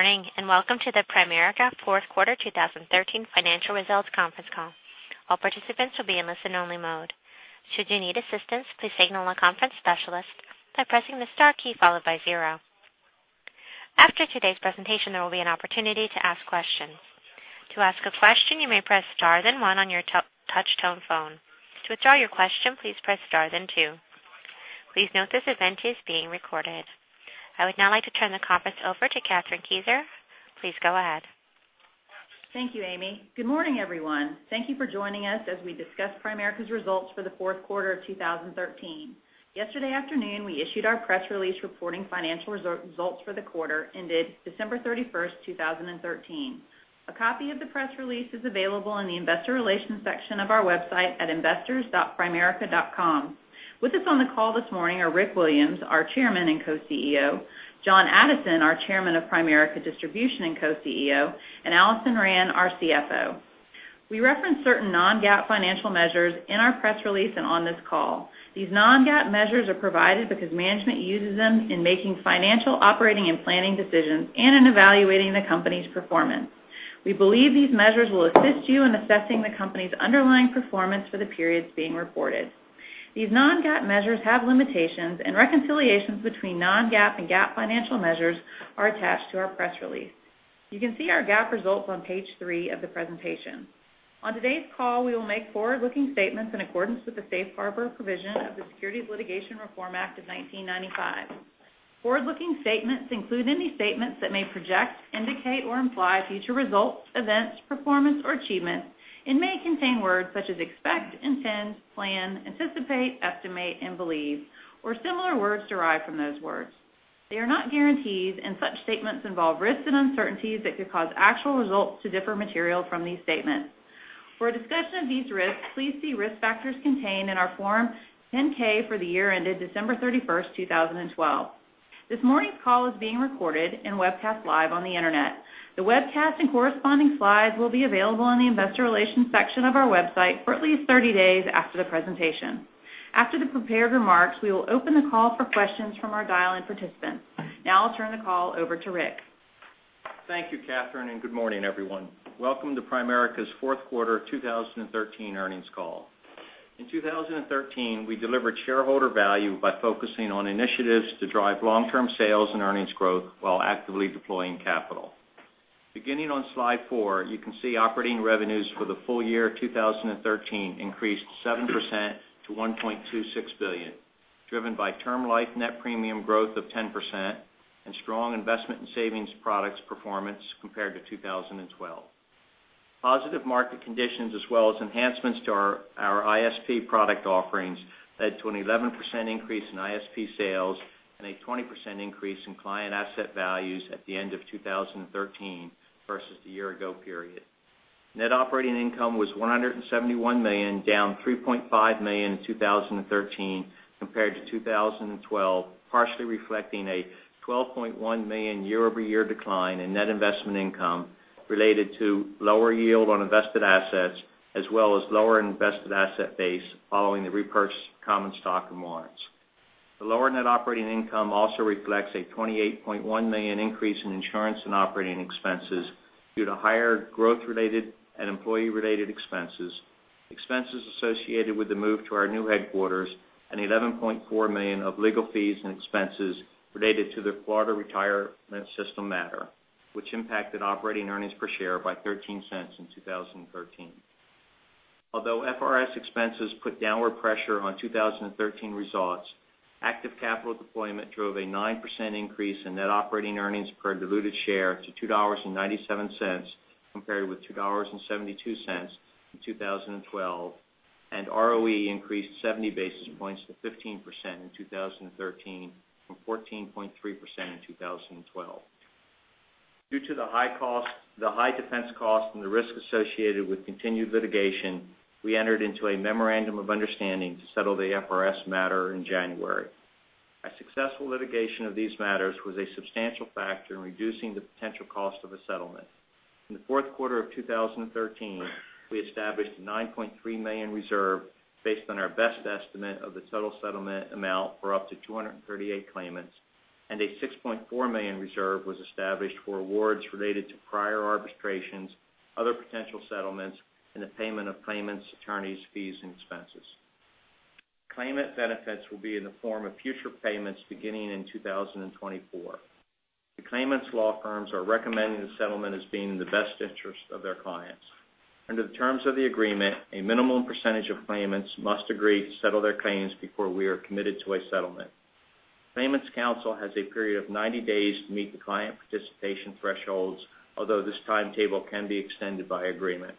Morning, welcome to the Primerica fourth quarter 2013 financial results conference call. All participants will be in listen only mode. Should you need assistance, please signal a conference specialist by pressing the star key followed by 0. After today's presentation, there will be an opportunity to ask questions. To ask a question, you may press star then 1 on your touch tone phone. To withdraw your question, please press star then 2. Please note this event is being recorded. I would now like to turn the conference over to Kathryn Kieser. Please go ahead. Thank you, Amy. Good morning, everyone. Thank you for joining us as we discuss Primerica's results for the fourth quarter of 2013. Yesterday afternoon, we issued our press release reporting financial results for the quarter ended December 31st, 2013. A copy of the press release is available in the investor relations section of our website at investors.primerica.com. With us on the call this morning are Rick Williams, our Chairman and Co-CEO, John Addison, our Chairman of Primerica Distribution and Co-CEO, and Alison Rand, our CFO. We reference certain non-GAAP financial measures in our press release and on this call. These non-GAAP measures are provided because management uses them in making financial operating and planning decisions and in evaluating the company's performance. We believe these measures will assist you in assessing the company's underlying performance for the periods being reported. These non-GAAP measures have limitations, and reconciliations between non-GAAP and GAAP financial measures are attached to our press release. You can see our GAAP results on page three of the presentation. On today's call, we will make forward-looking statements in accordance with the safe harbor provision of the Securities Litigation Reform Act of 1995. Forward-looking statements include any statements that may project, indicate, or imply future results, events, performance, or achievements, and may contain words such as expect, intend, plan, anticipate, estimate, and believe, or similar words derived from those words. They are not guarantees, and such statements involve risks and uncertainties that could cause actual results to differ material from these statements. For a discussion of these risks, please see risk factors contained in our Form 10-K for the year ended December 31st, 2012. This morning's call is being recorded and webcast live on the Internet. The webcast and corresponding slides will be available in the investor relations section of our website for at least 30 days after the presentation. After the prepared remarks, we will open the call for questions from our dial-in participants. Now I'll turn the call over to Rick. Thank you, Kathryn, good morning, everyone. Welcome to Primerica's fourth quarter 2013 earnings call. In 2013, we delivered shareholder value by focusing on initiatives to drive long-term sales and earnings growth while actively deploying capital. Beginning on slide four, you can see operating revenues for the full year 2013 increased 7% to $1.26 billion, driven by term life net premium growth of 10% and strong investment and savings products performance compared to 2012. Positive market conditions as well as enhancements to our ISP product offerings led to an 11% increase in ISP sales and a 20% increase in client asset values at the end of 2013 versus the year ago period. Net operating income was $171 million, down $3.5 million in 2013 compared to 2012, partially reflecting a $12.1 million year-over-year decline in net investment income related to lower yield on invested assets as well as lower invested asset base following the repurchased common stock and warrants. The lower net operating income also reflects a $28.1 million increase in insurance and operating expenses due to higher growth-related and employee-related expenses associated with the move to our new headquarters, and $11.4 million of legal fees and expenses related to the Florida Retirement System matter, which impacted operating earnings per share by $0.13 in 2013. Although FRS expenses put downward pressure on 2013 results, active capital deployment drove a 9% increase in net operating earnings per diluted share to $2.97 compared with $2.72 in 2012. ROE increased 70 basis points to 15% in 2013 from 14.3% in 2012. Due to the high defense cost and the risk associated with continued litigation, we entered into a memorandum of understanding to settle the FRS matter in January. A successful litigation of these matters was a substantial factor in reducing the potential cost of a settlement. In the fourth quarter of 2013, we established a $9.3 million reserve based on our best estimate of the total settlement amount for up to 238 claimants. A $6.4 million reserve was established for awards related to prior arbitrations, other potential settlements, and the payment of claimants' attorneys' fees and expenses. Claimant benefits will be in the form of future payments beginning in 2024. The claimants' law firms are recommending the settlement as being in the best interest of their clients. Under the terms of the agreement, a minimum percentage of claimants must agree to settle their claims before we are committed to a settlement. Claimants' counsel has a period of 90 days to meet the client participation thresholds, although this timetable can be extended by agreement.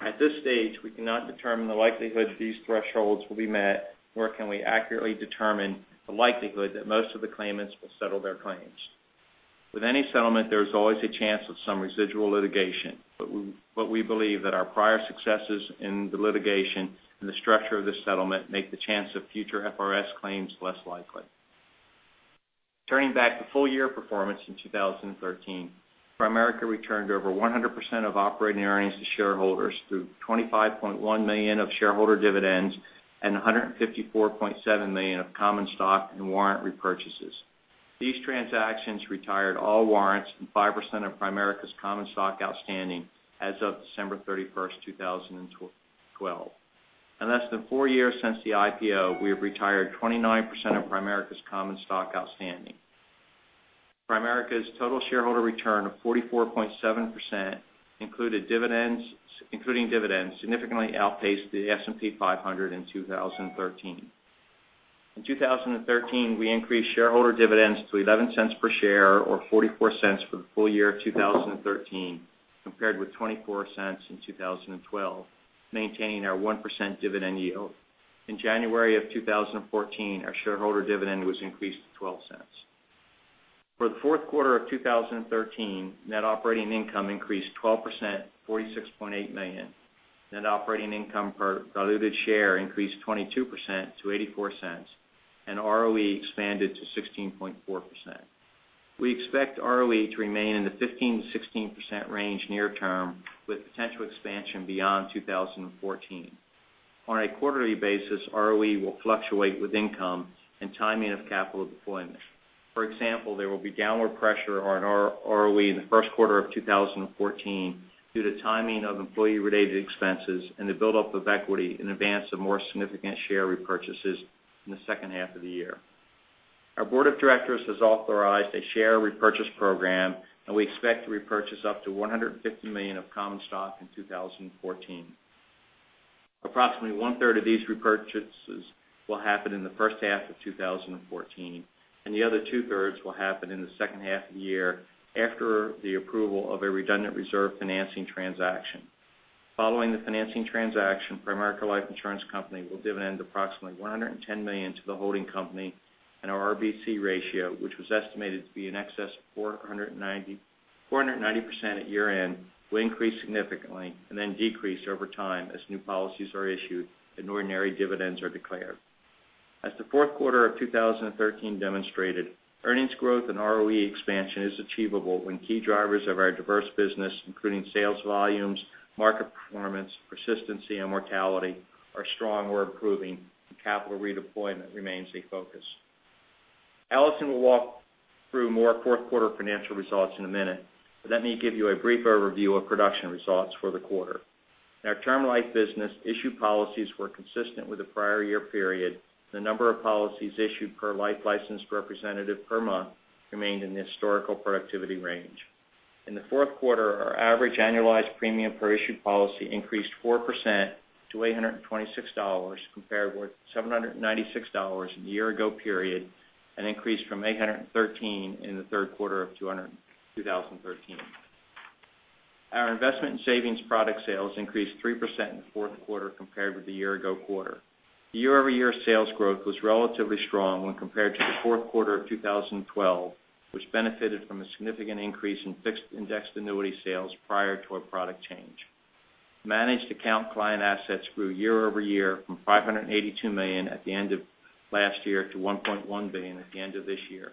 At this stage, we cannot determine the likelihood these thresholds will be met, nor can we accurately determine the likelihood that most of the claimants will settle their claims. With any settlement, there is always a chance of some residual litigation, we believe that our prior successes in the litigation and the structure of the settlement make the chance of future FRS claims less likely. Turning back to full-year performance in 2013, Primerica returned over 100% of operating earnings to shareholders through $25.1 million of shareholder dividends and $154.7 million of common stock and warrant repurchases. These transactions retired all warrants and 5% of Primerica's common stock outstanding as of December 31st, 2012. In less than four years since the IPO, we have retired 29% of Primerica's common stock outstanding. Primerica's total shareholder return of 44.7%, including dividends, significantly outpaced the S&P 500 in 2013. In 2013, we increased shareholder dividends to $0.11 per share or $0.44 for the full year of 2013, compared with $0.24 in 2012, maintaining our 1% dividend yield. In January of 2014, our shareholder dividend was increased to $0.12. For the fourth quarter of 2013, net operating income increased 12%, to $46.8 million. Net operating income per diluted share increased 22% to $0.84, and ROE expanded to 16.4%. We expect ROE to remain in the 15%-16% range near term, with potential expansion beyond 2014. On a quarterly basis, ROE will fluctuate with income and timing of capital deployment. For example, there will be downward pressure on our ROE in the first quarter of 2014 due to timing of employee-related expenses and the buildup of equity in advance of more significant share repurchases in the second half of the year. We expect to repurchase up to $150 million of common stock in 2014. Approximately one-third of these repurchases will happen in the first half of 2014, and the other two-thirds will happen in the second half of the year after the approval of a redundant reserve financing transaction. Following the financing transaction, Primerica Life Insurance Company will dividend approximately $110 million to the holding company and our RBC ratio, which was estimated to be in excess of 490% at year-end, will increase significantly and then decrease over time as new policies are issued and ordinary dividends are declared. As the fourth quarter of 2013 demonstrated, earnings growth and ROE expansion is achievable when key drivers of our diverse business, including sales volumes, market performance, persistency, and mortality, are strong or improving and capital redeployment remains a focus. Alison will walk through more fourth quarter financial results in a minute. Let me give you a brief overview of production results for the quarter. In our Term Life business, issued policies were consistent with the prior year period, and the number of policies issued per life licensed representative per month remained in the historical productivity range. In the fourth quarter, our average annualized premium per issued policy increased 4% to $826, compared with $796 in the year ago period, an increase from $813 in the third quarter of 2013. Our investment in savings product sales increased 3% in the fourth quarter compared with the year ago quarter. The year-over-year sales growth was relatively strong when compared to the fourth quarter of 2012, which benefited from a significant increase in fixed indexed annuity sales prior to our product change. Managed account client assets grew year-over-year from $582 million at the end of last year to $1.1 billion at the end of this year.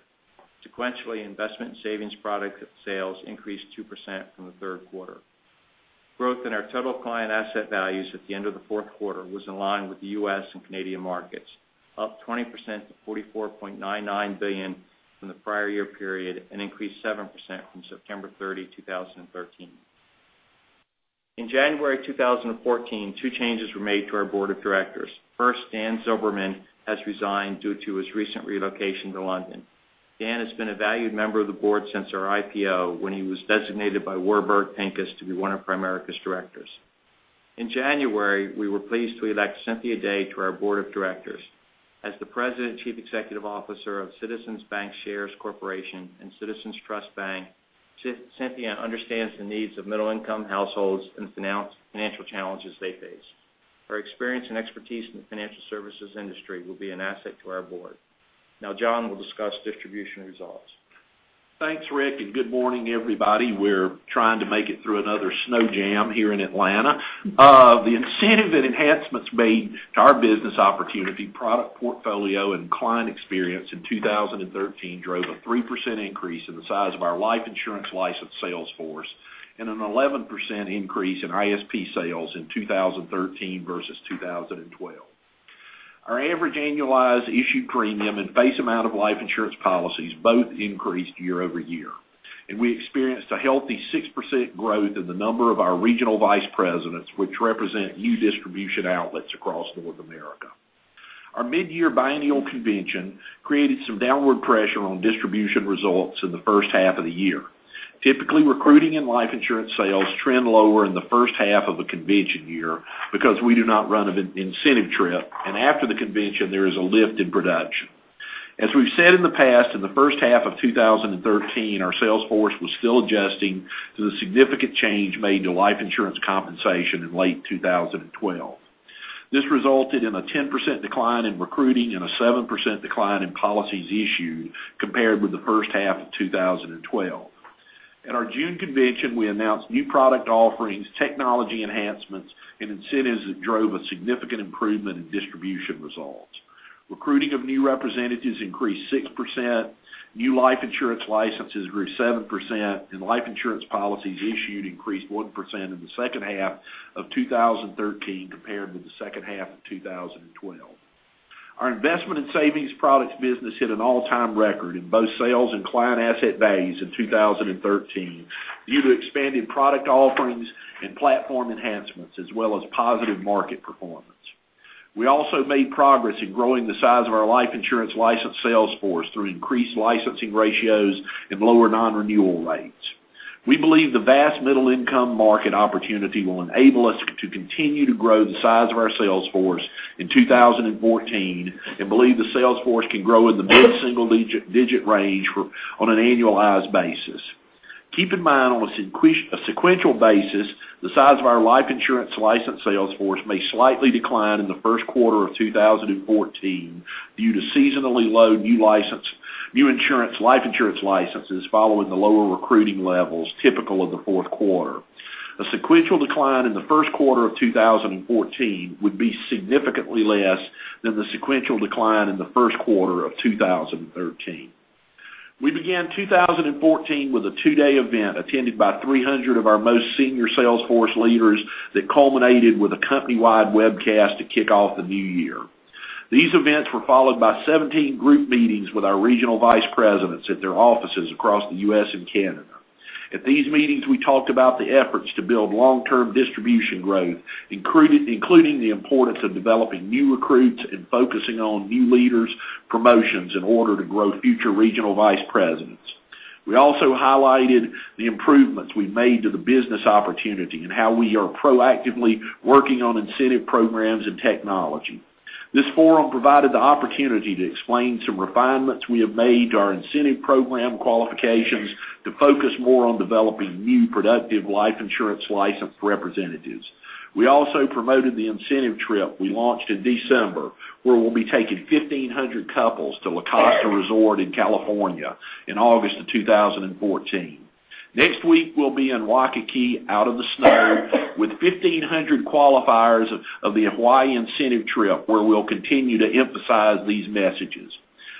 Sequentially, investment and savings product sales increased 2% from the third quarter. Growth in our total client asset values at the end of the fourth quarter was in line with the U.S. and Canadian markets, up 20% to $44.99 billion from the prior year period, and increased 7% from September 30, 2013. In January 2014, two changes were made to our board of directors. First, Dan Zilberman has resigned due to his recent relocation to London. Dan has been a valued member of the board since our IPO, when he was designated by Warburg Pincus to be one of Primerica's directors. In January, we were pleased to elect Cynthia Day to our board of directors. As the President and Chief Executive Officer of Citizens Bancshares Corporation and Citizens Trust Bank, Cynthia understands the needs of middle-income households and the financial challenges they face. Her experience and expertise in the financial services industry will be an asset to our board. Now John will discuss distribution results. Thanks, Rick, good morning, everybody. We're trying to make it through another snow jam here in Atlanta. The incentive and enhancements made to our business opportunity, product portfolio, and client experience in 2013 drove a 3% increase in the size of our life insurance license sales force and an 11% increase in ISP sales in 2013 versus 2012. Our average annualized issued premium and face amount of life insurance policies both increased year-over-year. We experienced a healthy 6% growth in the number of our Regional Vice Presidents, which represent new distribution outlets across North America. Our mid-year biennial convention created some downward pressure on distribution results in the first half of the year. Typically, recruiting and life insurance sales trend lower in the first half of a convention year because we do not run an incentive trip. After the convention, there is a lift in production. As we've said in the past, in the first half of 2013, our sales force was still adjusting to the significant change made to life insurance compensation in late 2012. This resulted in a 10% decline in recruiting and a 7% decline in policies issued compared with the first half of 2012. At our June convention, we announced new product offerings, technology enhancements, and incentives that drove a significant improvement in distribution results. Recruiting of new representatives increased 6%, new life insurance licenses grew 7%, Life insurance policies issued increased 1% in the second half of 2013 compared with the second half of 2012. Our investment and savings products business hit an all-time record in both sales and client asset base in 2013 due to expanded product offerings and platform enhancements, as well as positive market performance. We also made progress in growing the size of our life insurance licensed sales force through increased licensing ratios and lower non-renewal rates. We believe the vast middle-income market opportunity will enable us to continue to grow the size of our sales force in 2014. We believe the sales force can grow in the mid-single-digit range on an annualized basis. Keep in mind, on a sequential basis, the size of our life insurance licensed sales force may slightly decline in the first quarter of 2014 due to seasonally low new life insurance licenses following the lower recruiting levels typical of the fourth quarter. A sequential decline in the first quarter of 2014 would be significantly less than the sequential decline in the first quarter of 2013. We began 2014 with a two-day event attended by 300 of our most senior sales force leaders that culminated with a company-wide webcast to kick off the new year. These events were followed by 17 group meetings with our regional vice presidents at their offices across the U.S. and Canada. At these meetings, we talked about the efforts to build long-term distribution growth, including the importance of developing new recruits and focusing on new leaders' promotions in order to grow future regional vice presidents. We also highlighted the improvements we've made to the business opportunity and how we are proactively working on incentive programs and technology. This forum provided the opportunity to explain some refinements we have made to our incentive program qualifications to focus more on developing new, productive life insurance licensed representatives. We also promoted the incentive trip we launched in December, where we'll be taking 1,500 couples to La Costa Resort in California in August of 2014. Next week, we'll be in Waikiki, out of the snow, with 1,500 qualifiers of the Hawaii incentive trip, where we'll continue to emphasize these messages.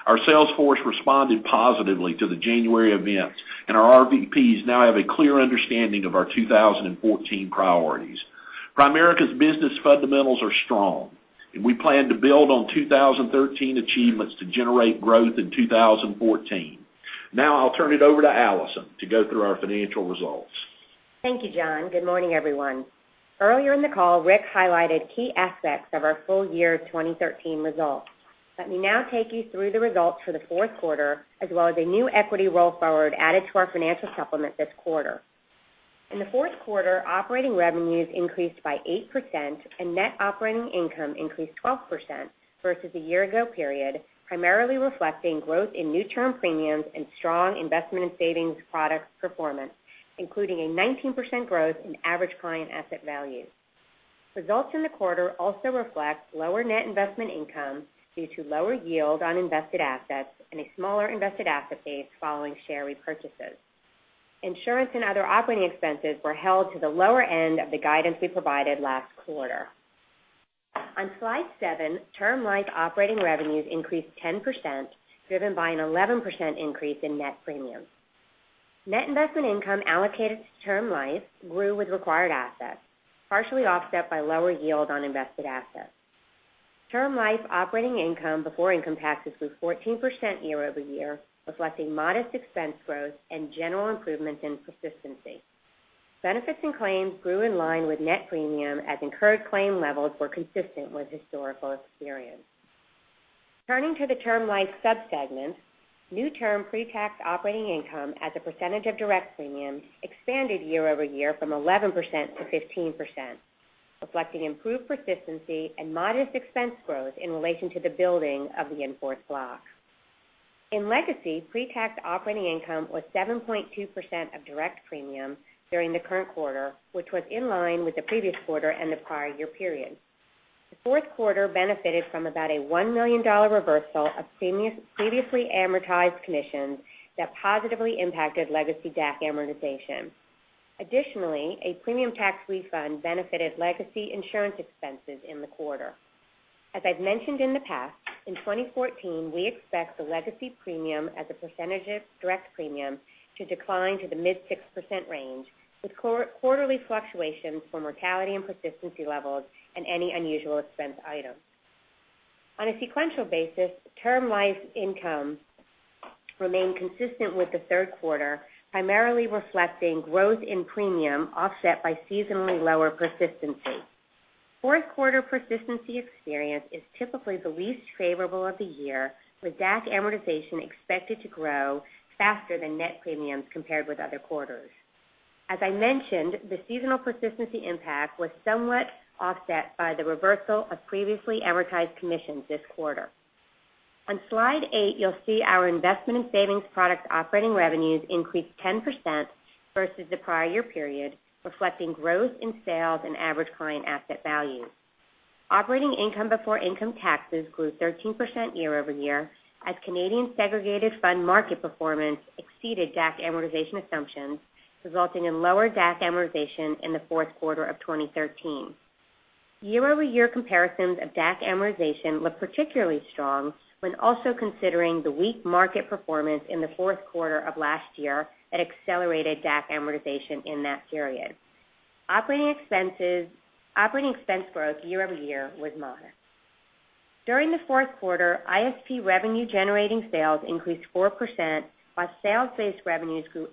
Our sales force responded positively to the January events, and our RVPs now have a clear understanding of our 2014 priorities. Primerica's business fundamentals are strong, we plan to build on 2013 achievements to generate growth in 2014. Now I'll turn it over to Alison to go through our financial results. Thank you, John. Good morning, everyone. Earlier in the call, Rick highlighted key aspects of our full year 2013 results. Let me now take you through the results for the fourth quarter, as well as a new equity roll forward added to our financial supplement this quarter. In the fourth quarter, operating revenues increased by 8%, net operating income increased 12% versus a year-ago period, primarily reflecting growth in new term premiums and strong investment in savings products performance, including a 19% growth in average client asset value. Results in the quarter also reflect lower net investment income due to lower yield on invested assets and a smaller invested asset base following share repurchases. Insurance and other operating expenses were held to the lower end of the guidance we provided last quarter. On slide seven, Term Life operating revenues increased 10%, driven by an 11% increase in net premiums. Net investment income allocated to Term Life grew with required assets, partially offset by lower yield on invested assets. Term Life operating income before income taxes grew 14% year-over-year, reflecting modest expense growth and general improvements in persistency. Benefits and claims grew in line with net premium as incurred claim levels were consistent with historical experience. Turning to the Term Life sub-segments, new term pre-tax operating income as a percentage of direct premium expanded year-over-year from 11% to 15%, reflecting improved persistency and modest expense growth in relation to the building of the in-force block. In legacy, pre-tax operating income was 7.2% of direct premium during the current quarter, which was in line with the previous quarter and the prior year period. The fourth quarter benefited from about a $1 million reversal of previously amortized commissions that positively impacted legacy DAC amortization. Additionally, a premium tax refund benefited legacy insurance expenses in the quarter. As I've mentioned in the past, in 2014, we expect the legacy premium as a percentage of direct premium to decline to the mid 6% range, with quarterly fluctuations for mortality and persistency levels and any unusual expense items. On a sequential basis, Term Life incomes remained consistent with the third quarter, primarily reflecting growth in premium offset by seasonally lower persistency. Fourth quarter persistency experience is typically the least favorable of the year, with DAC amortization expected to grow faster than net premiums compared with other quarters. As I mentioned, the seasonal persistency impact was somewhat offset by the reversal of previously amortized commissions this quarter. On slide eight, you'll see our investment in savings products operating revenues increased 10% versus the prior year period, reflecting growth in sales and average client asset value. Operating income before income taxes grew 13% year-over-year as Canadian segregated fund market performance exceeded DAC amortization assumptions, resulting in lower DAC amortization in the fourth quarter of 2013. Year-over-year comparisons of DAC amortization look particularly strong when also considering the weak market performance in the fourth quarter of last year that accelerated DAC amortization in that period. Operating expense growth year-over-year was moderate. During the fourth quarter, ISP revenue generating sales increased 4%, while sales-based revenues grew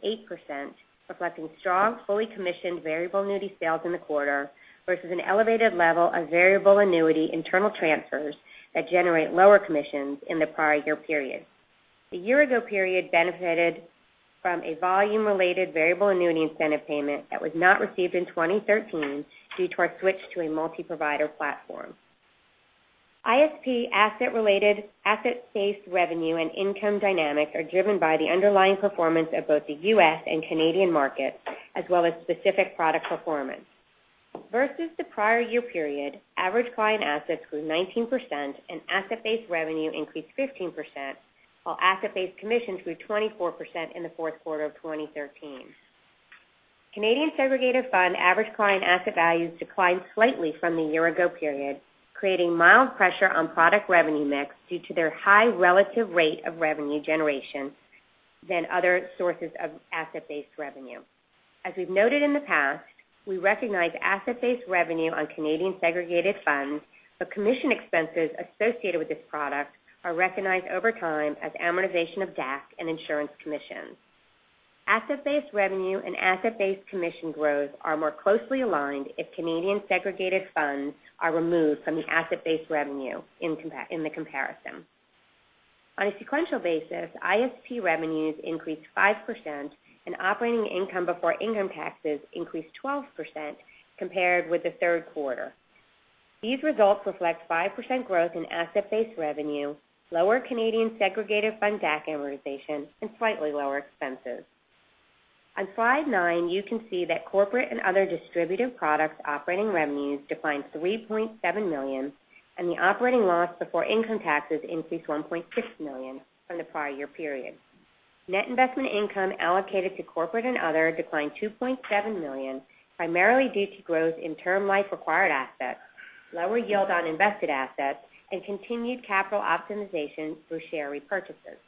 8%, reflecting strong fully commissioned variable annuity sales in the quarter, versus an elevated level of variable annuity internal transfers that generate lower commissions in the prior year period. The year-ago period benefited from a volume-related variable annuity incentive payment that was not received in 2013 due to our switch to a multi-provider platform. ISP asset-based revenue and income dynamics are driven by the underlying performance of both the U.S. and Canadian markets, as well as specific product performance. Versus the prior year period, average client assets grew 19% and asset-based revenue increased 15%, while asset-based commissions grew 24% in the fourth quarter of 2013. Canadian segregated fund average client asset values declined slightly from the year-ago period, creating mild pressure on product revenue mix due to their high relative rate of revenue generation than other sources of asset-based revenue. As we've noted in the past, we recognize asset-based revenue on Canadian segregated funds, but commission expenses associated with this product are recognized over time as amortization of DAC and insurance commissions. Asset-based revenue and asset-based commission growth are more closely aligned if Canadian segregated funds are removed from the asset-based revenue in the comparison. On a sequential basis, ISP revenues increased 5% and operating income before income taxes increased 12% compared with the third quarter. These results reflect 5% growth in asset-based revenue, lower Canadian segregated fund DAC amortization, and slightly lower expenses. On slide nine, you can see that corporate and other distributor products operating revenues declined to $3.7 million, and the operating loss before income taxes increased $1.6 million from the prior year period. Net investment income allocated to corporate and other declined $2.7 million, primarily due to growth in Term Life required assets, lower yield on invested assets, and continued capital optimization through share repurchases.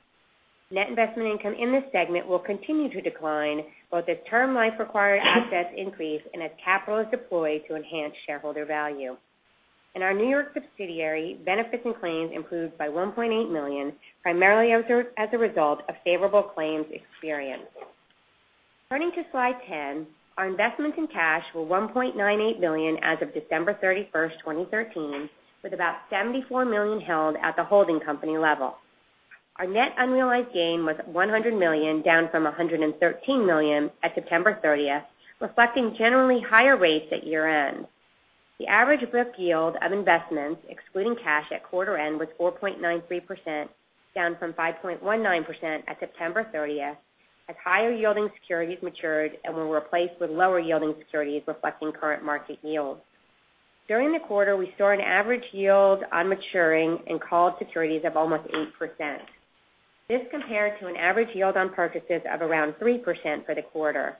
Net investment income in this segment will continue to decline both as Term Life required assets increase and as capital is deployed to enhance shareholder value. In our New York subsidiary, benefits and claims improved by $1.8 million, primarily as a result of favorable claims experience. Turning to slide 10, our investments in cash were $1.98 million as of December 31st, 2013, with about $74 million held at the holding company level. Our net unrealized gain was $100 million, down from $113 million at September 30th, reflecting generally higher rates at year-end. The average book yield of investments excluding cash at quarter-end was 4.93%, down from 5.19% at September 30th, as higher-yielding securities matured and were replaced with lower-yielding securities reflecting current market yields. During the quarter, we saw an average yield on maturing and called securities of almost 8%. This compared to an average yield on purchases of around 3% for the quarter.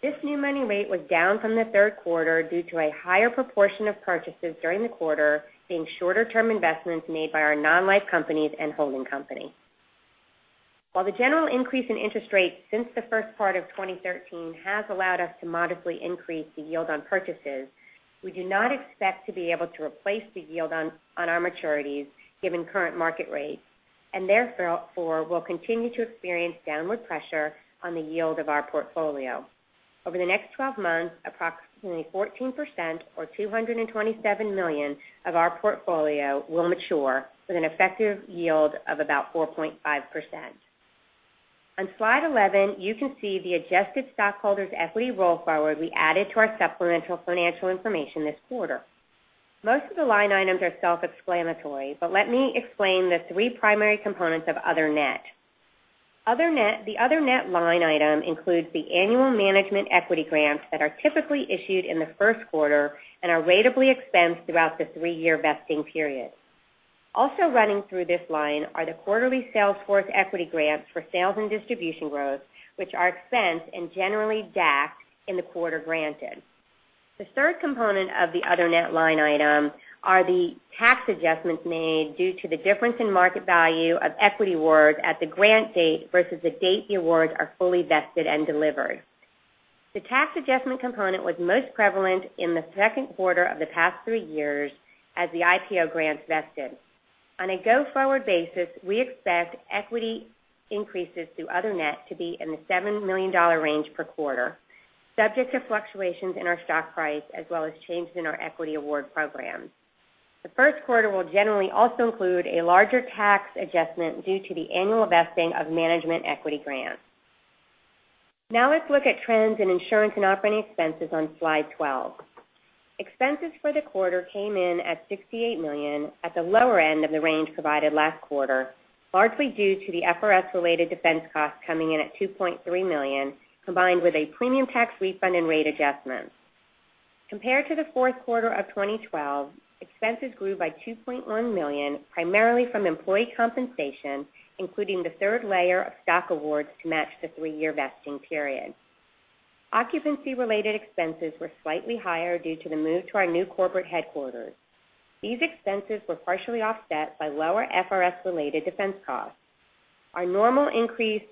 This new money rate was down from the third quarter due to a higher proportion of purchases during the quarter being shorter-term investments made by our non-life companies and holding company. While the general increase in interest rates since the first part of 2013 has allowed us to modestly increase the yield on purchases, we do not expect to be able to replace the yield on our maturities, given current market rates, and therefore will continue to experience downward pressure on the yield of our portfolio. Over the next 12 months, approximately 14%, or $227 million, of our portfolio will mature with an effective yield of about 4.5%. On slide 11, you can see the adjusted stockholders' equity roll forward we added to our supplemental financial information this quarter. Most of the line items are self-explanatory, but let me explain the three primary components of other net. The other net line item includes the annual management equity grants that are typically issued in the first quarter and are ratably expensed throughout the three-year vesting period. Also running through this line are the quarterly sales force equity grants for sales and distribution growth, which are expensed in generally DAC in the quarter granted. The third component of the other net line item are the tax adjustments made due to the difference in market value of equity awards at the grant date versus the date the awards are fully vested and delivered. The tax adjustment component was most prevalent in the second quarter of the past three years as the IPO grants vested. On a go-forward basis, we expect equity increases through other net to be in the $7 million range per quarter, subject to fluctuations in our stock price as well as changes in our equity award program. The first quarter will generally also include a larger tax adjustment due to the annual vesting of management equity grants. Now let's look at trends in insurance and operating expenses on slide 12. Expenses for the quarter came in at $68 million at the lower end of the range provided last quarter, largely due to the FRS-related defense cost coming in at $2.3 million, combined with a premium tax refund and rate adjustments. Compared to the fourth quarter of 2012, expenses grew by $2.1 million, primarily from employee compensation, including the third layer of stock awards to match the three-year vesting period. Occupancy-related expenses were slightly higher due to the move to our new corporate headquarters. These expenses were partially offset by lower FRS-related defense costs. Our normal increase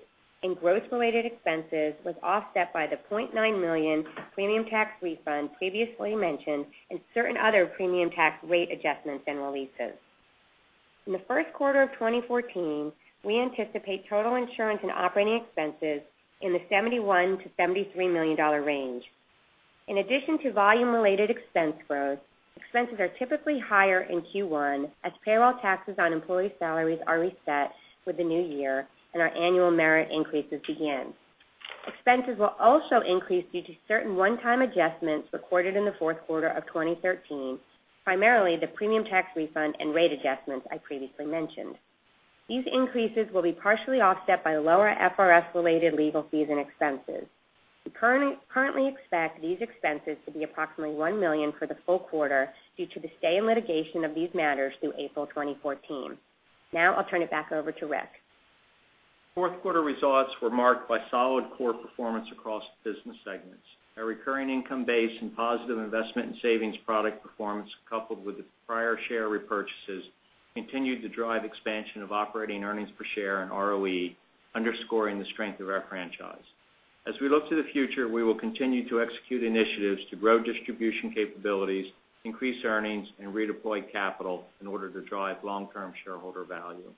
in gross related expenses was offset by the $0.9 million premium tax refund previously mentioned and certain other premium tax rate adjustments and releases. In the first quarter of 2014, we anticipate total insurance and operating expenses in the $71 million-$73 million range. In addition to volume-related expense growth, expenses are typically higher in Q1 as payroll taxes on employee salaries are reset for the new year, and our annual merit increases begin. Expenses will also increase due to certain one-time adjustments recorded in the fourth quarter of 2013, primarily the premium tax refund and rate adjustments I previously mentioned. These increases will be partially offset by lower FRS-related legal fees and expenses. We currently expect these expenses to be approximately $1 million for the full quarter due to the stay in litigation of these matters through April 2014. Now I'll turn it back over to Rick. Fourth quarter results were marked by solid core performance across the business segments. A recurring income base and positive investment in savings product performance, coupled with the prior share repurchases, continued to drive expansion of operating earnings per share and ROE, underscoring the strength of our franchise. As we look to the future, we will continue to execute initiatives to grow distribution capabilities, increase earnings, and redeploy capital in order to drive long-term shareholder value.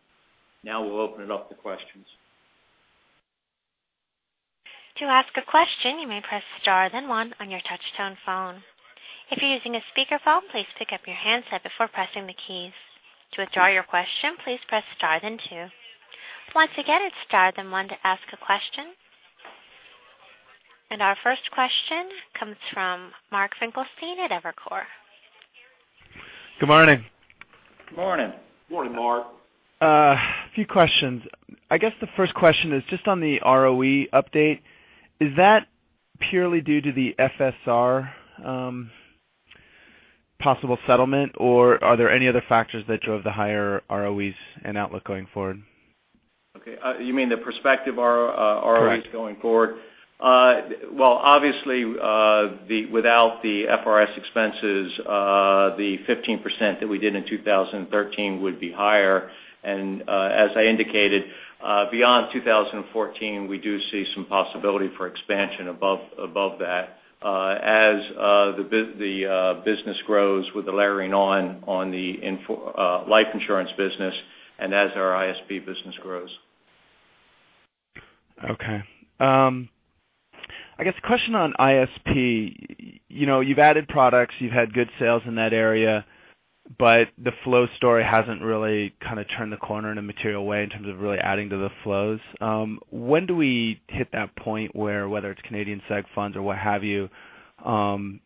Now we'll open it up to questions. To ask a question, you may press star then one on your touch-tone phone. If you're using a speakerphone, please pick up your handset before pressing the keys. To withdraw your question, please press star then two. Once again, it's star then one to ask a question. Our first question comes from Mark Finkelstein at Evercore. Good morning. Good morning. Good morning, Mark. A few questions. I guess the first question is just on the ROE update. Is that purely due to the FRS possible settlement, or are there any other factors that drove the higher ROEs and outlook going forward? Okay. You mean the prospective ROEs? Correct going forward. Well, obviously, without the FRS expenses, the 15% that we did in 2013 would be higher. As I indicated, beyond 2014, we do see some possibility for expansion above that as the business grows with the layering on the life insurance business and as our ISP business grows. Okay. I guess the question on ISP, you've added products, you've had good sales in that area, but the flow story hasn't really kind of turned the corner in a material way in terms of really adding to the flows. When do we hit that point where, whether it's Canadian seg funds or what have you, kind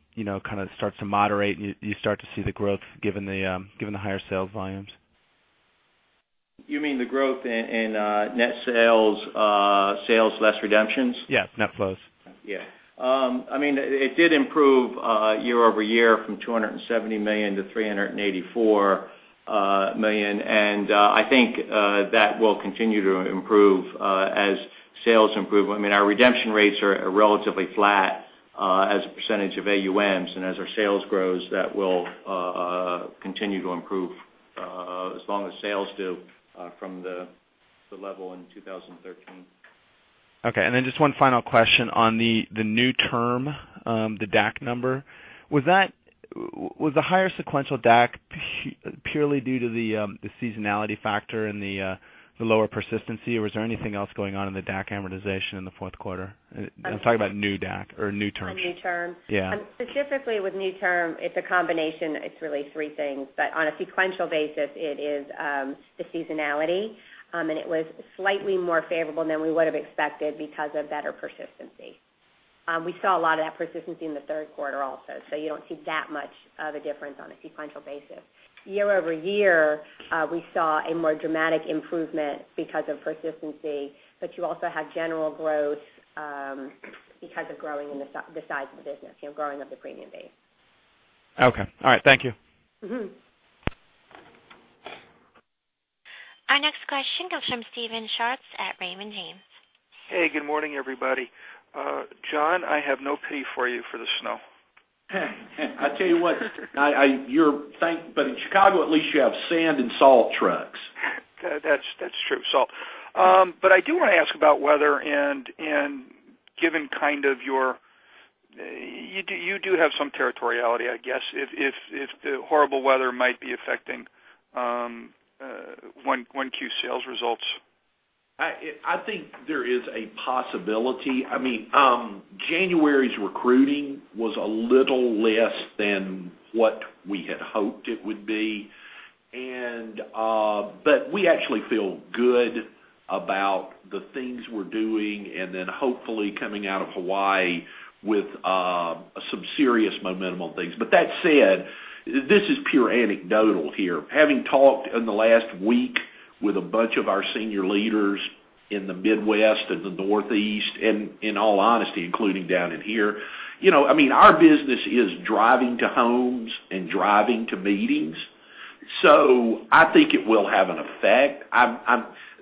of starts to moderate and you start to see the growth given the higher sales volumes? You mean the growth in net sales less redemptions? Yeah, net flows. Yeah. It did improve year-over-year from $270 million to $384 million. I think that will continue to improve as sales improve. Our redemption rates are relatively flat as a percentage of AUMs. As our sales grows, that will continue to improve as long as sales do from the level in 2013. Okay. Just one final question on the new term, the DAC number. Was the higher sequential DAC purely due to the seasonality factor and the lower persistency, or was there anything else going on in the DAC amortization in the fourth quarter? I am talking about new DAC or new term. On new term? Yeah. Specifically with new term, it is a combination, it is really three things. On a sequential basis, it is the seasonality, and it was slightly more favorable than we would have expected because of better persistency. We saw a lot of that persistency in the third quarter also. You don't see that much of a difference on a sequential basis. Year-over-year, we saw a more dramatic improvement because of persistency, but you also had general growth because of growing the size of the business, growing of the premium base. Okay. All right. Thank you. Our next question comes from Steven Schwartz at Raymond James. Hey, good morning, everybody. John, I have no pity for you for the snow. I tell you what, in Chicago, at least you have sand and salt trucks. That's true. I do want to ask about weather, and given You do have some territoriality, I guess, if the horrible weather might be affecting 1Q sales results. I think there is a possibility. January's recruiting was a little less than what we had hoped it would be. We actually feel good about the things we're doing, hopefully coming out of Hawaii with some serious momentum on things. That said, this is pure anecdotal here. Having talked in the last week with a bunch of our senior leaders in the Midwest and the Northeast, in all honesty, including down in here, our business is driving to homes and driving to meetings. I think it will have an effect.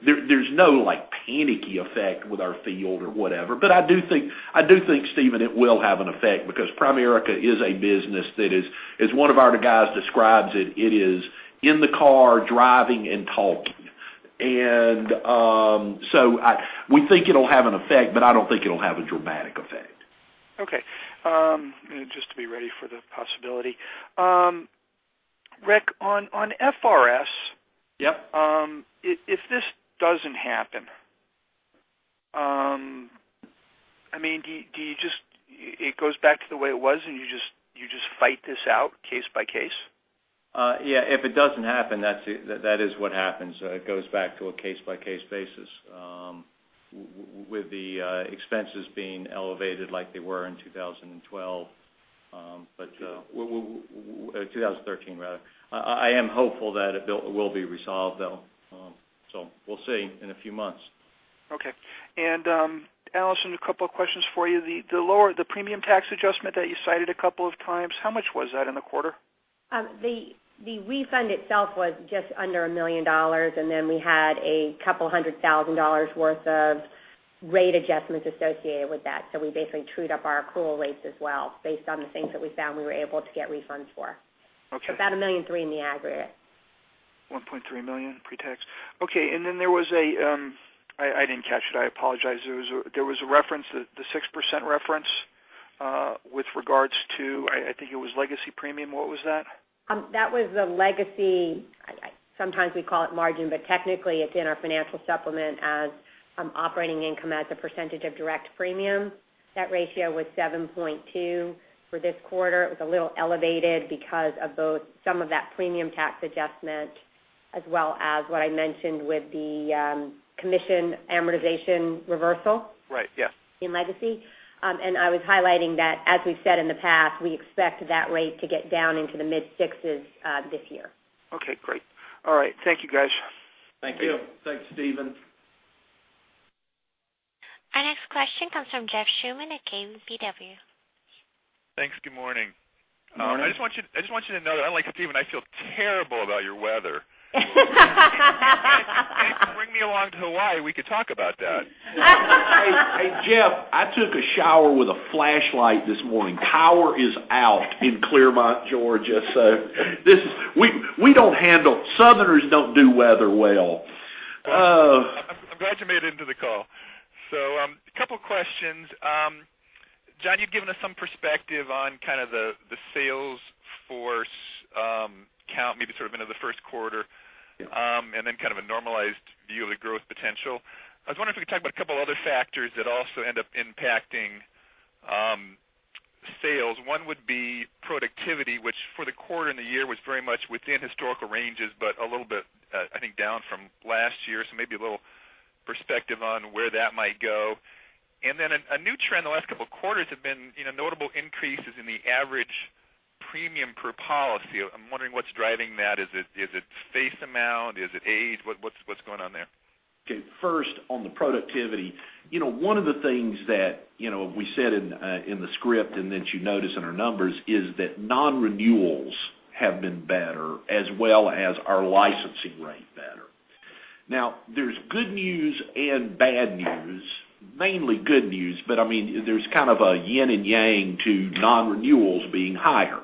There's no like panicky effect with our field or whatever. I do think, Steven, it will have an effect because Primerica is a business that is, as one of our guys describes it is in the car driving and talking. We think it'll have an effect, I don't think it'll have a dramatic effect. Okay. Just to be ready for the possibility. Rick, on FRS- Yep. If this doesn't happen, it goes back to the way it was, and you just fight this out case by case? Yeah, if it doesn't happen, that is what happens. It goes back to a case-by-case basis, with the expenses being elevated like they were in 2012. 2013, rather. I am hopeful that it will be resolved, though. We'll see in a few months. Okay. Alison, a couple of questions for you. The premium tax adjustment that you cited a couple of times, how much was that in the quarter? The refund itself was just under $1 million, we had $200,000 worth of rate adjustments associated with that. We basically trued up our accrual rates as well, based on the things that we found we were able to get refunds for. Okay. About $1.3 million in the aggregate. $1.3 million pre-tax. Okay, there was a, I didn't catch it. I apologize. There was a reference, the 6% reference, with regards to, I think it was legacy premium. What was that? That was the legacy, sometimes we call it margin, but technically it's in our financial supplement as operating income as a percentage of direct premium. That ratio was 7.2 for this quarter. It was a little elevated because of both some of that premium tax adjustment as well as what I mentioned with the commission amortization reversal- Right. Yes. in legacy. I was highlighting that, as we've said in the past, we expect that rate to get down into the mid-sixes this year. Okay, great. All right. Thank you, guys. Thank you. Thanks, Steven. Our next question comes from Ryan Krueger at KBW. Thanks. Good morning. I just want you to know that unlike Steven, I feel terrible about your weather. If you bring me along to Hawaii, we could talk about that. Hey, Jeff, I took a shower with a flashlight this morning. Power is out in Clarkston, Georgia. Southerners don't do weather well. I'm glad you made it into the call. A couple questions. John, you've given us some perspective on kind of the sales force count, maybe sort of into the first quarter. Yeah. kind of a normalized view of the growth potential. I was wondering if we could talk about a couple other factors that also end up impacting sales. One would be productivity, which for the quarter and the year was very much within historical ranges, but a little bit, I think, down from last year. maybe a little perspective on where that might go. a new trend the last couple of quarters have been notable increases in the average premium per policy. I'm wondering what's driving that. Is it face amount? Is it age? What's going on there? Okay, first on the productivity. One of the things that we said in the script and that you notice in our numbers is that nonrenewals have been better as well as our licensing rate better. there's good news and bad news, mainly good news, but there's kind of a yin and yang to nonrenewals being higher.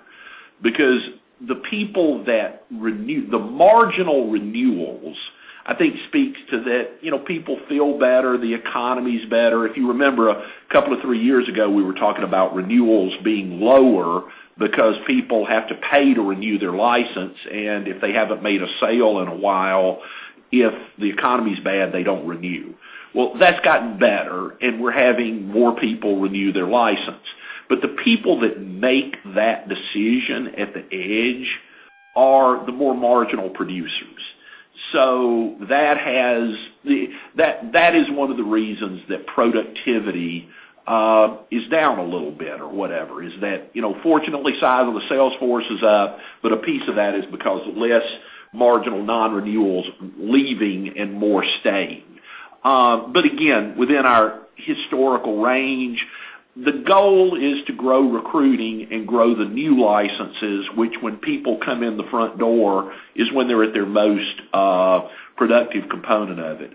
the people that renew, the marginal renewals, I think speaks to that people feel better, the economy's better. If you remember, a couple of three years ago, we were talking about renewals being lower because people have to pay to renew their license, and if they haven't made a sale in a while, if the economy's bad, they don't renew. that's gotten better, and we're having more people renew their license. the people that make that decision at the edge are the more marginal producers. that is one of the reasons that productivity is down a little bit or whatever, is that fortunately, size of the sales force is up, but a piece of that is because less marginal nonrenewals leaving and more staying. again, within our historical range, the goal is to grow recruiting and grow the new licenses, which when people come in the front door, is when they're at their most productive component of it.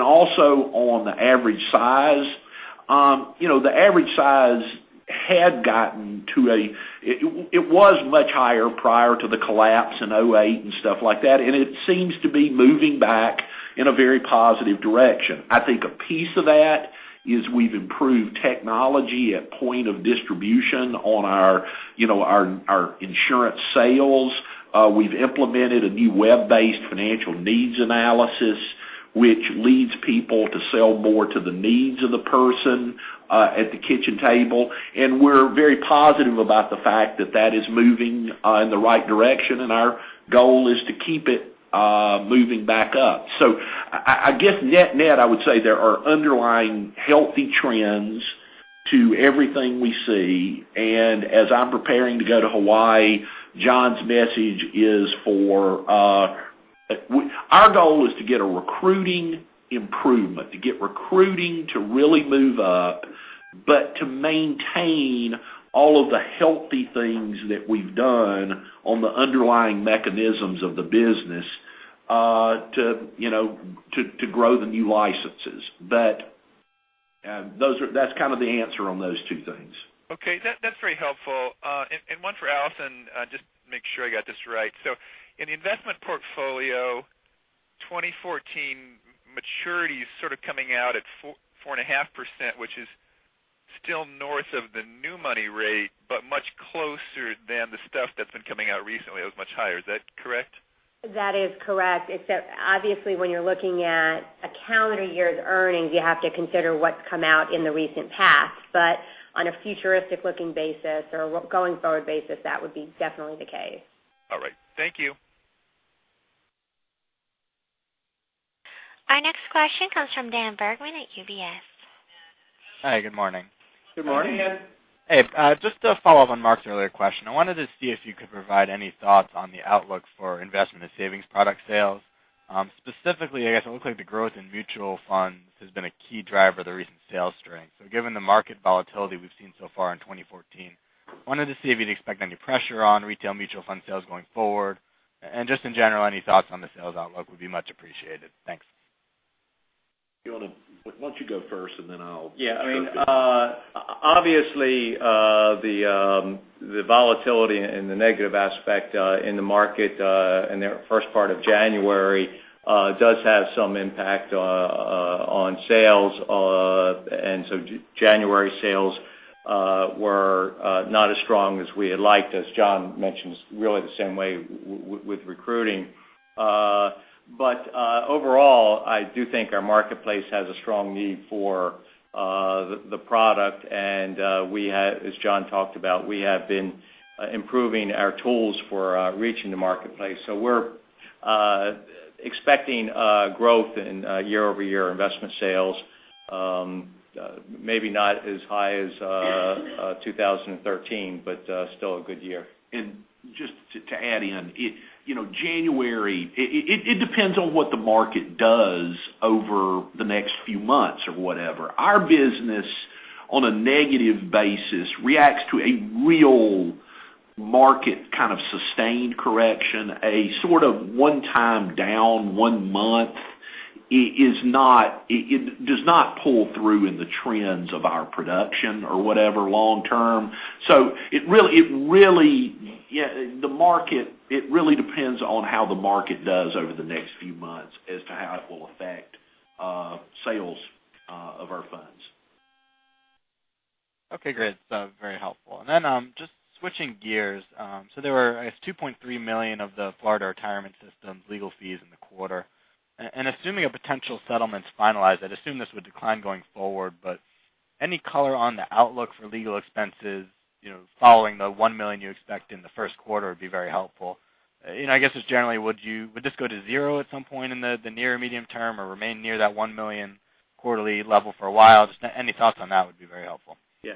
also on the average size. The average size. It was much higher prior to the collapse in 2008 and stuff like that, and it seems to be moving back in a very positive direction. I think a piece of that is we've improved technology at point of distribution on our insurance sales. We've implemented a new web-based financial needs analysis, which leads people to sell more to the needs of the person at the kitchen table. we're very positive about the fact that that is moving in the right direction, and our goal is to keep it moving back up. I guess net-net, I would say there are underlying healthy trends to everything we see. as I'm preparing to go to Hawaii, Our goal is to get a recruiting improvement, to get recruiting to really move up to maintain all of the healthy things that we've done on the underlying mechanisms of the business to grow the new licenses. that's kind of the answer on those two things. Okay. That's very helpful. One for Alison, just make sure I got this right. In the investment portfolio, 2014 maturity is sort of coming out at 4.5%, which is still north of the new money rate, but much closer than the stuff that's been coming out recently. It was much higher. Is that correct? That is correct. Obviously, when you're looking at a calendar year's earnings, you have to consider what's come out in the recent past. On a futuristic-looking basis or going-forward basis, that would be definitely the case. All right. Thank you. Our next question comes from Daniel Bergman at UBS. Hi, good morning. Good morning. Hi, Dan. Hey. Just to follow up on Mark's earlier question, I wanted to see if you could provide any thoughts on the outlook for investment and savings product sales. Specifically, I guess it looks like the growth in mutual funds has been a key driver of the recent sales strength. Given the market volatility we've seen so far in 2014, wanted to see if you'd expect any pressure on retail mutual fund sales going forward, and just in general, any thoughts on the sales outlook would be much appreciated. Thanks. Why don't you go first? Yeah. Obviously, the volatility and the negative aspect in the market in the first part of January does have some impact on sales. January sales were not as strong as we had liked, as John mentioned, really the same way with recruiting. Overall, I do think our marketplace has a strong need for the product. As John talked about, we have been improving our tools for reaching the marketplace. We're expecting growth in year-over-year investment sales. Maybe not as high as 2013, but still a good year. Just to add in. January, it depends on what the market does over the next few months or whatever. Our business, on a negative basis, reacts to a real market kind of sustained correction. A sort of one-time down one month does not pull through in the trends of our production or whatever long term. It really depends on how the market does over the next few months as to how it will affect sales of our funds. Okay, great. Very helpful. Just switching gears. There were, I guess, $2.3 million of the Florida Retirement System legal fees in the quarter. Assuming a potential settlement's finalized, I'd assume this would decline going forward, but any color on the outlook for legal expenses following the $1 million you expect in the first quarter would be very helpful. I guess just generally, would this go to zero at some point in the near medium term or remain near that $1 million quarterly level for a while? Just any thoughts on that would be very helpful. Yeah.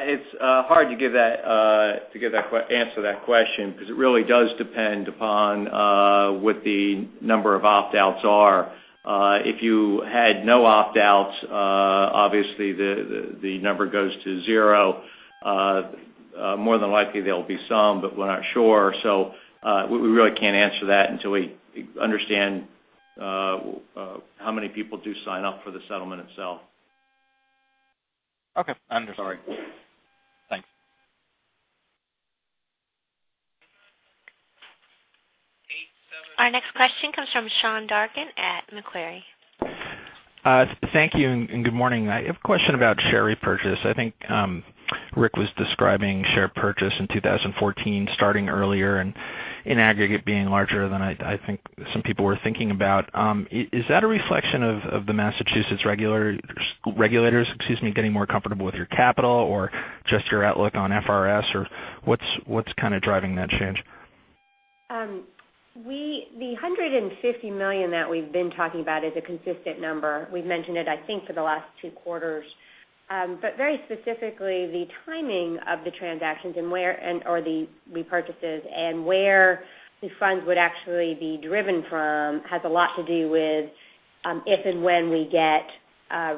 It's hard to answer that question because it really does depend upon what the number of opt-outs are. If you had no opt-outs, obviously the number goes to zero. More than likely there'll be some, but we're not sure. We really can't answer that until we understand how many people do sign up for the settlement itself. Okay. Understood. Thanks. Our next question comes from Sean Dargan at Macquarie. Thank you, and good morning. I have a question about share repurchase. I think Rick was describing share purchase in 2014 starting earlier and in aggregate being larger than I think some people were thinking about. Is that a reflection of the Massachusetts regulators getting more comfortable with your capital or just your outlook on FRS, or what's kind of driving that change? The $150 million that we've been talking about is a consistent number. We've mentioned it, I think, for the last two quarters. Very specifically, the timing of the transactions or the repurchases and where the funds would actually be driven from has a lot to do with if and when we get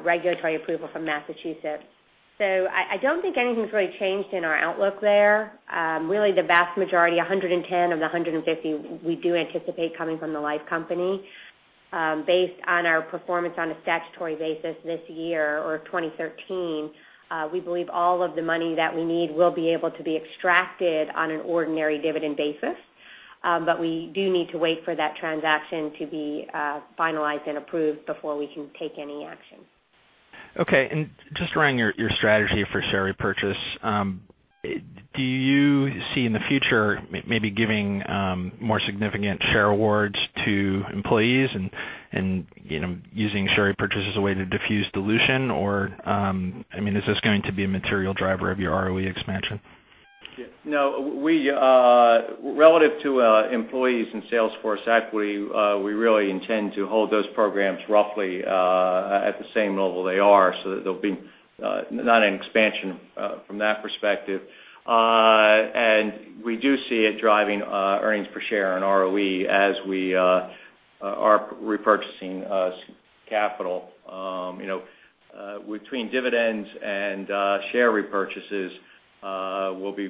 regulatory approval from Massachusetts. I don't think anything's really changed in our outlook there. Really, the vast majority, 110 of the 150 we do anticipate coming from the Life Company. Based on our performance on a statutory basis this year or 2013, we believe all of the money that we need will be able to be extracted on an ordinary dividend basis. We do need to wait for that transaction to be finalized and approved before we can take any action. Okay. Just around your strategy for share repurchase. Do you see in the future maybe giving more significant share awards to employees and using share repurchase as a way to diffuse dilution? Or is this going to be a material driver of your ROE expansion? No. Relative to employees and sales force equity, we really intend to hold those programs roughly at the same level they are so that there'll be not an expansion from that perspective. Get driving earnings per share and ROE as we are repurchasing capital. Between dividends and share repurchases, we'll be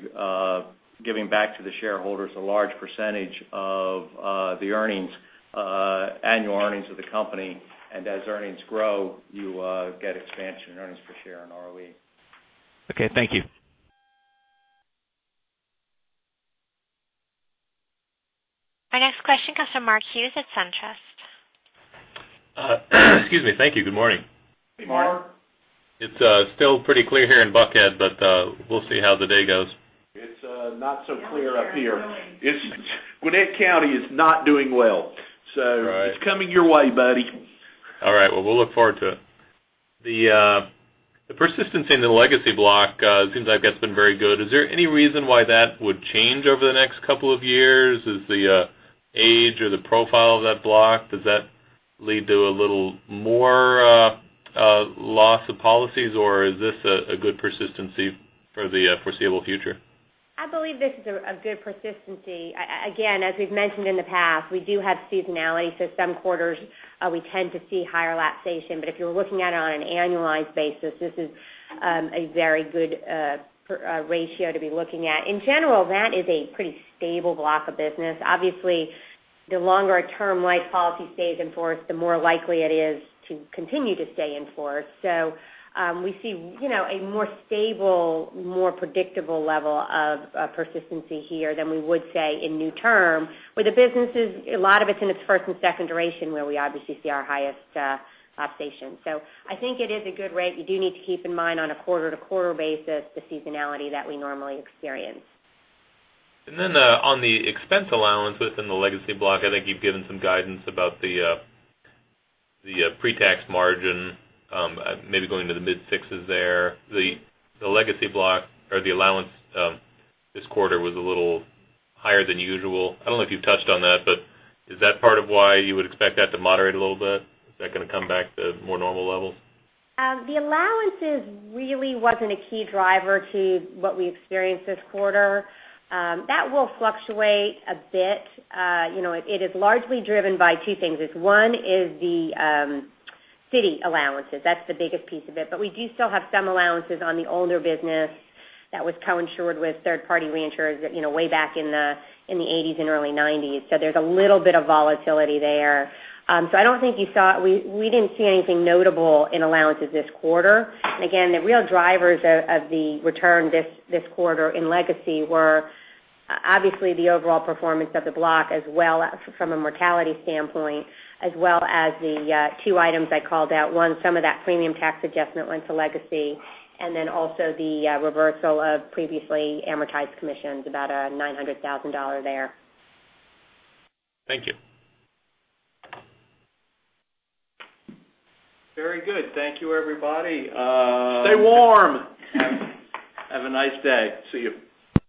giving back to the shareholders a large percentage of the annual earnings of the company. As earnings grow, you get expansion in earnings per share and ROE. Okay, thank you. Our next question comes from Mark Hughes at SunTrust. Excuse me. Thank you. Good morning. Good morning. Hey, Mark. It's still pretty clear here in Buckhead, but we'll see how the day goes. It's not so clear up here. Gwinnett County is not doing well. Right. It's coming your way, buddy. All right. Well, we'll look forward to it. The persistency in the legacy block, it seems like that's been very good. Is there any reason why that would change over the next couple of years? Is the age or the profile of that block, does that lead to a little more loss of policies, or is this a good persistency for the foreseeable future? I believe this is a good persistency. Again, as we've mentioned in the past, we do have seasonality, so some quarters we tend to see higher lapsation. If you're looking at it on an annualized basis, this is a very good ratio to be looking at. In general, that is a pretty stable block of business. Obviously, the longer a term life policy stays in force, the more likely it is to continue to stay in force. We see a more stable, more predictable level of persistency here than we would, say, in new term, where the business is, a lot of it's in its first and second duration, where we obviously see our highest lapsation. I think it is a good rate. You do need to keep in mind on a quarter-to-quarter basis the seasonality that we normally experience. On the expense allowance within the legacy block, I think you've given some guidance about the pre-tax margin maybe going to the mid-6s there. The legacy block or the allowance this quarter was a little higher than usual. I don't know if you've touched on that, is that part of why you would expect that to moderate a little bit? Is that going to come back to more normal levels? The allowances really wasn't a key driver to what we experienced this quarter. That will fluctuate a bit. It is largely driven by two things. One is the ceding allowances. That's the biggest piece of it. We do still have some allowances on the older business that was co-insured with third-party reinsurers way back in the '80s and early '90s. There's a little bit of volatility there. We didn't see anything notable in allowances this quarter. Again, the real drivers of the return this quarter in legacy were obviously the overall performance of the block as well from a mortality standpoint, as well as the two items I called out. One, some of that premium tax adjustment went to legacy, and then also the reversal of previously amortized commissions, about $900,000 there. Thank you. Very good. Thank you, everybody. Stay warm. Have a nice day. See you.